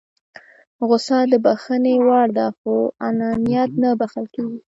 غوسه د بښنې وړ ده خو انانيت نه بښل کېږي.